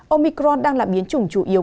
omicron đang là biến chủng chủ yếu